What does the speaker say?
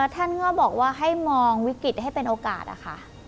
ท่านก็บอกว่าให้มองวิกฤตให้เป็นโอกาสนะคะ